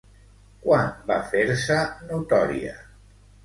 Quan va fer-se notòria?